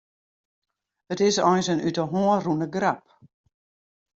It is eins in út 'e hân rûne grap.